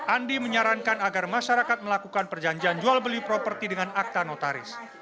andi menyarankan agar masyarakat melakukan perjanjian jual beli properti dengan akta notaris